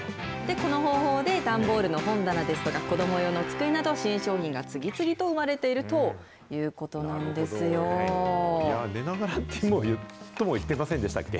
この方法で、段ボールの本棚ですとか、子ども用の机など、新商品が次々と生まれているということ寝ながらとも言ってませんでしたっけ？